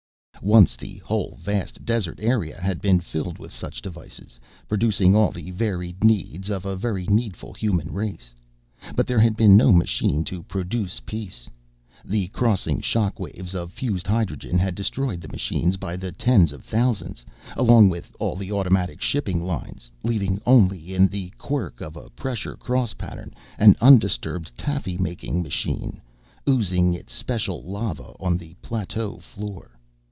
Once the whole vast desert area had been filled with such devices, producing all the varied needs of a very needful human race. But there had been no machine to produce peace. The crossing shock waves of fused hydrogen had destroyed the machines by the tens of thousands, along with all the automatic shipping lines, leaving only, in the quirk of a pressure cross pattern, an undisturbed taffy making machine, oozing its special lava on the plateau floor.